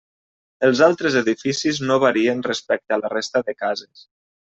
Els altres edificis no varien respecte a la resta de cases.